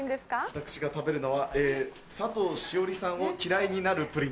私が食べるのはえ佐藤栞里さんを嫌いになるプリンです。